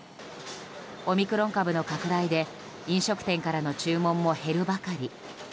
オミクロン株の拡大で飲食店からの注文も減るばかり。